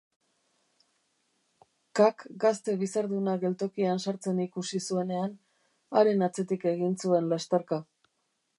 KAk gazte bizarduna geltokian sartzen ikusi zuenean, haren atzetik egin zuen lasterka.